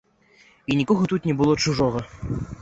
І нікога тут не было чужога.